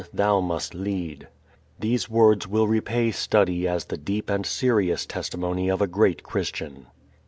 Thou must lead. These words will repay study as the deep and serious testimony of a great Christian.